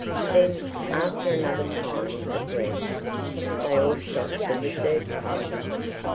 Then, after another time of rest, they all shot for the third time.